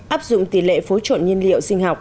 áp dụng tỷ lệ phối trộn nhiên liệu sinh học